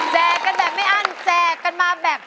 แจกกันแบบไม่อั้นแจกกันมาแบบ